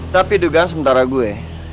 tapi dugaan sementara gue